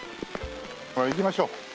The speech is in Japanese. ほら行きましょう。